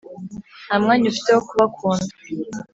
ntamwanya ufite wo kubakunda.